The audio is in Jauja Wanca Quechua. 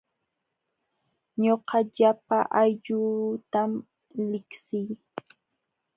Ñuqa llapa aylluutam liqsii.